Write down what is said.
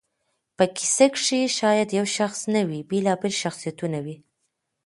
په کیسه کښي شاید یو شخص نه وي، بېلابېل شخصیتونه وي.